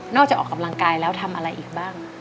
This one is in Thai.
จะออกกำลังกายแล้วทำอะไรอีกบ้าง